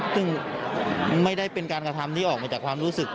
ซึ่งไม่ได้เป็นการกระทำที่ออกมาจากความรู้สึก